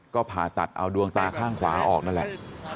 ก็ผ่าตัดเอาดวงตาข้างขวาออกนั่นแหละ